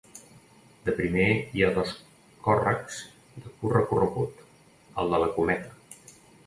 De primer hi ha dos còrrecs de curt recorregut: el de la Cometa.